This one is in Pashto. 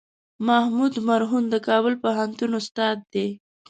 محمود مرهون د کابل پوهنتون استاد دی.